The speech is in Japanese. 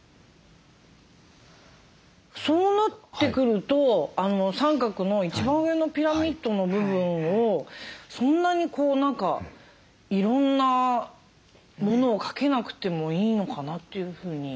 そうなってくると三角の一番上のピラミッドの部分をそんなにいろんなものをかけなくてもいいのかなというふうに思いました。